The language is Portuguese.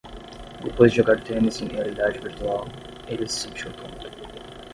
Depois de jogar tênis em realidade virtual, ele se sentiu tonto.